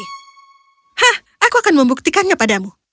hah aku akan membuktikannya padamu